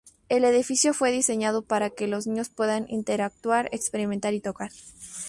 El edificio fue diseñado para que los niños puedan interactuar, experimentar y tocar.